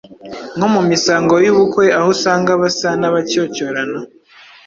nko mu misango y’ubukwe aho usanga basa n’abacyocyorana;